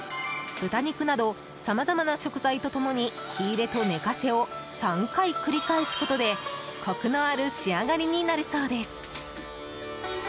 豚肉など、さまざまな食材と共に火入れと寝かせを３回繰り返すことでコクのある仕上がりになるそうです。